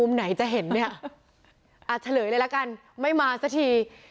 ไหนจะเห็นเนี่ยเฉลยเลยละกันไม่มาสักที